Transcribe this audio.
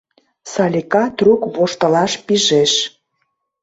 — Салика трук воштылаш пижеш.